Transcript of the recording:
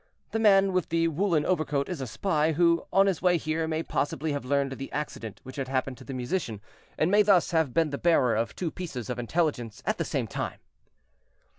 The man with the woolen overcoat is a spy, who, on his way here, may possibly have learned the accident which had happened to the musician, and may thus have been the bearer of two pieces of intelligence at the same time."